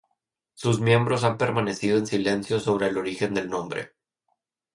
Sus miembros han permanecido en silencio sobre el origen del nombre.